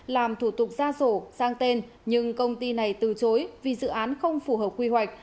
làm thủ tục gia rổ sang tên nhưng công ty này từ chối vì dự án không phù hợp quy hoạch